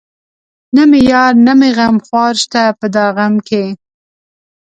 نه مې يار نه مې غمخوار شته په دا غم کې